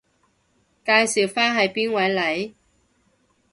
介紹返係邊位嚟？